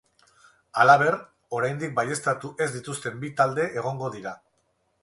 Halaber, oraindik baieztatu ez dituzten bi talde egongo dira.